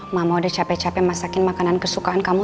mama udah capek capek masakin makanan kesukaan kamu